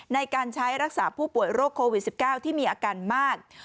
ในการใช้รักษาผู้ป่วยโรคโควิด๑๙ที่มีอาการมาก